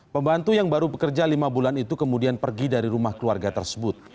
pembantu yang baru bekerja lima bulan itu kemudian pergi dari rumah keluarga tersebut